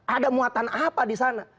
ada muatan apa disana